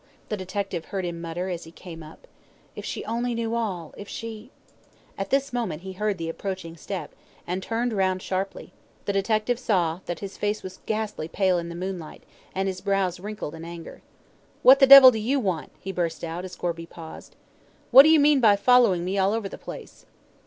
the detective heard him mutter as he came up. "If she only knew all! If she " At this moment he heard the approaching step, and turned round sharply. The detective saw that his face was ghastly pale in the moonlight, and his brows wrinkled in anger. "What the devil do you want?" he burst out, as Gorby paused. "What do you mean by following me all over the place?"